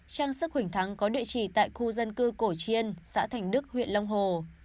trang sức huỳnh thắng có địa chỉ tại khu dân cư cổ chiên xã thành đức huyện long hồ